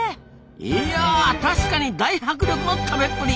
いやあ確かに大迫力の食べっぷり。